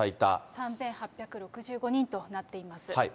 ３８６５人となっています。